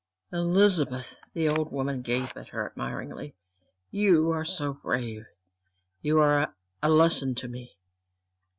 "Elizabeth!" The older woman gazed up at her admiringly. "You are so brave you are a lesson to me!